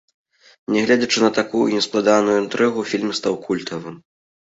Нягледзячы на такую нескладаную інтрыгу, фільм стаў культавым.